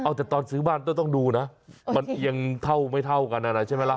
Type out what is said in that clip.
เอาแต่ตอนซื้อบ้านต้องดูนะมันเอียงเท่าไม่เท่ากันอะไรใช่ไหมล่ะ